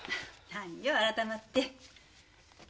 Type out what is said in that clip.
何よ改まって。